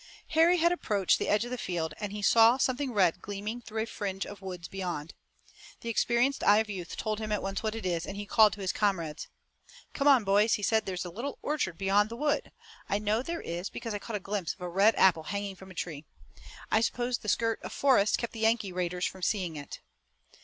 Harry had approached the edge of the field and he saw something red gleaming through a fringe of woods beyond. The experienced eye of youth told him at once what it was, and he called to his comrades. "Come on, boys," he said. "There's a little orchard beyond the wood. I know there is because I caught a glimpse of a red apple hanging from a tree. I suppose the skirt of forest kept the Yankee raiders from seeing it."